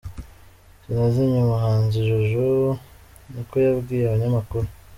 Sinazimye umuhanzi Jojo niko yabwiye abanyamakuru